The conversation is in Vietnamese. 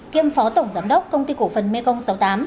kiêm phó tổng giám đốc công ty cổ phần mê công sáu mươi tám